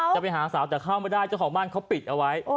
จะไปหาสาวแต่เข้าไม่ได้เจ้าของบ้านเขาปิดเอาไว้